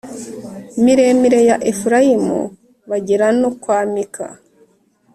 miremire ya Efurayimu bagera no kwa Mika